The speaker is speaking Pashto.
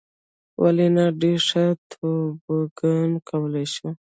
ولې نه. ډېر ښه توبوګان کولای شې.